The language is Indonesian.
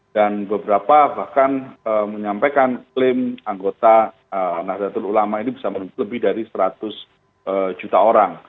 dan beberapa bahkan menyampaikan klaim anggota nadatul ulama ini bisa lebih dari seratus juta orang